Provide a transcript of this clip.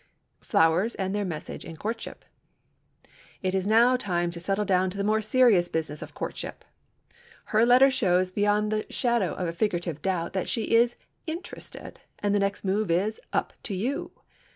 FLOWERS AND THEIR MESSAGE IN COURTSHIP It is now time to settle down to the more serious business of courtship. Her letter shows beyond the shadow of a figurative doubt that she is "interested," and the next move is "up to you."